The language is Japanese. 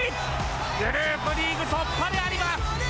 グループリーグ突破であります。